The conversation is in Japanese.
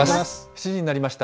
７時になりました。